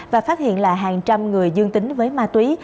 và phát hiện là hàng trăm người dương tính với ma túy